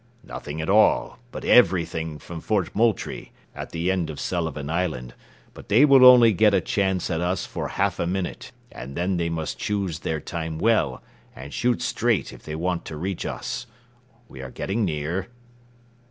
"Nothing at all, but everything from Fort Moultrie, at the end of Sullivan Island; but they will only get a chance at us for half a minute, and then they must choose their time well, and shoot straight if they want to reach us. We are getting near."